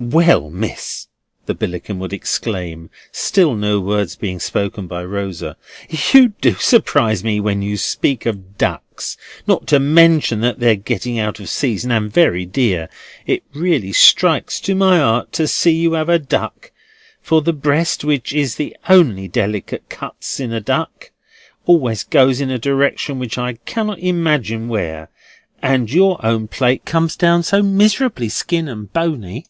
"Well, Miss!" the Billickin would exclaim (still no word being spoken by Rosa), "you do surprise me when you speak of ducks! Not to mention that they're getting out of season and very dear, it really strikes to my heart to see you have a duck; for the breast, which is the only delicate cuts in a duck, always goes in a direction which I cannot imagine where, and your own plate comes down so miserably skin and bony!